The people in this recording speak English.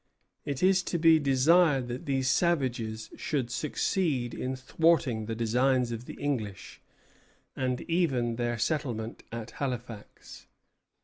It is to be desired that these savages should succeed in thwarting the designs of the English, and even their settlement at Halifax.